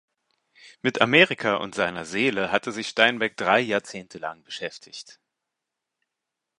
Mit Amerika und seiner Seele hatte sich Steinbeck drei Jahrzehnte lang beschäftigt.